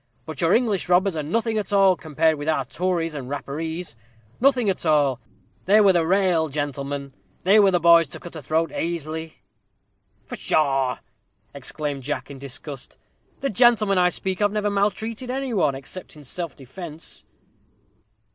"But your English robbers are nothing at all, compared with our Tories and Rapparees nothing at all. They were the raal gentlemen they were the boys to cut a throat aisily." "Pshaw!" exclaimed Jack, in disgust, "the gentlemen I speak of never maltreated any one, except in self defence."